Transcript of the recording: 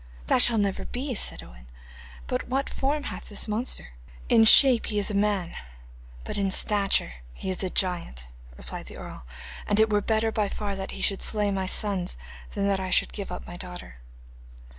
'That shall never be,' said Owen; 'but what form hath this monster?' 'In shape he is a man, but in stature he is a giant,' replied the earl, 'and it were better by far that he should slay my sons than that I should give up my daughter.